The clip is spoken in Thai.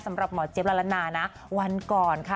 สำหรับหมอเจี๊ยบละละนานะวันก่อนค่ะ